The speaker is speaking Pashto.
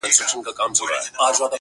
o قاضي صاحبه ملامت نه یم بچي وږي وه.